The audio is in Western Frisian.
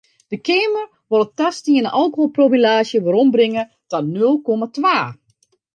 De Keamer wol it tastiene alkoholpromillaazje werombringe ta nul komma twa.